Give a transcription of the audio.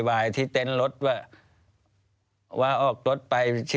แล้วเขาสร้างเองว่าห้ามเข้าใกล้ลูก